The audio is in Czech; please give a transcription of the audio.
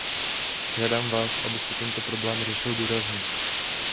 Žádám vás, abyste tento problém řešil důrazně.